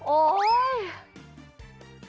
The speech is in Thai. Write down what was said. โอ้ย